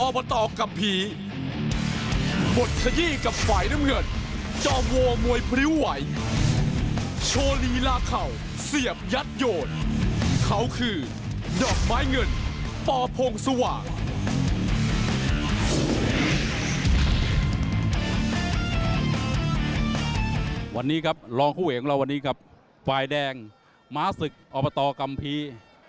วันนี้ครับรองคู่เอกของเราวันนี้ครับฝ่ายแดงม้าศึกอบตกัมภีร์